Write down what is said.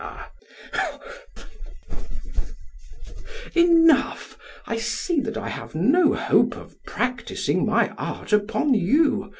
PHAEDRUS: Enough; I see that I have no hope of practising my art upon you.